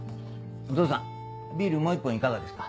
お義父さんビールもう１本いかがですか？